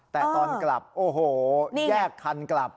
แต่ตอนกลับโอ้โหแยกคันกลับ